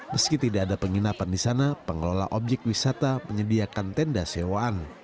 meski tidak ada penginapan di sana pengelola objek wisata menyediakan tenda sewaan